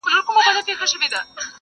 ډېر نیژدې وو چي له لوږي سر کړي ساندي -